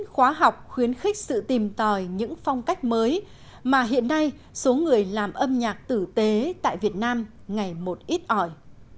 khóa học khuyến khích sự tìm tòi những phong cách mới mà hiện nay số người làm âm nhạc tử tế tại việt nam ngày một ít ỏi